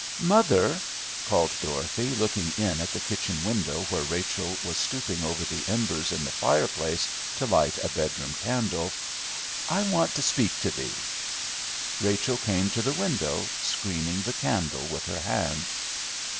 "Mother," called Dorothy, looking in at the kitchen window where Rachel was stooping over the embers in the fireplace to light a bedroom candle, "I want to speak to thee." Rachel came to the window, screening the candle with her hand.